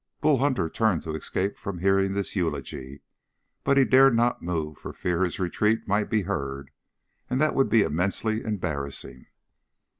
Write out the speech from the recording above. Bull Hunter turned to escape from hearing this eulogy, but he dared not move for fear his retreat might be heard and that would be immensely embarrassing.